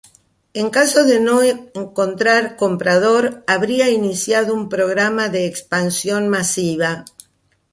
En caso de no encontrar comprador, habría iniciado un programa de expansión masiva.